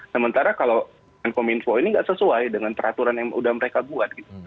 sementara kalau kominfo ini nggak sesuai dengan peraturan yang udah mereka buat gitu